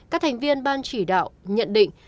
các thành viên ban chỉ đạo nhận định